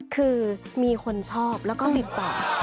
คือมีคนชอบแล้วก็ติดต่อ